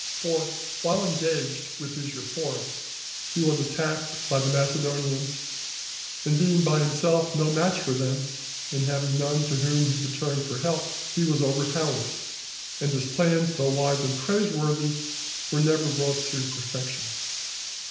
For while engaged with these reforms, he was attacked by the Macedonians, and being by himself no match for them, and having none to whom he could turn for help, he was overpowered; and his plans, though wise and praiseworthy, were never brought to perfection.